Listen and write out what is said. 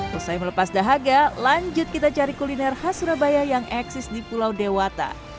setelah melepas dahaga lanjut kita cari kuliner khas surabaya yang eksis di pulau dewata